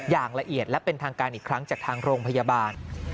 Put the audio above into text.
อย่างละเอียดและเป็นทางการอีกครั้งจากทางโรงพยาบาล